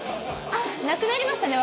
あっなくなりましたね